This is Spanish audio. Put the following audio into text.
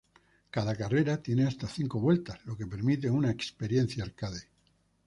Cada carrera tiene hasta cinco vueltas "lo que permite una experiencia arcade.